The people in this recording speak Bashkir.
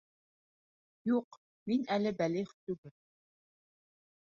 Юҡ, мин әле бәлиғ түгел.